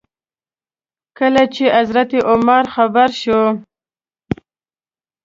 کله چې حضرت عمر خبر شو.